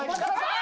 あ！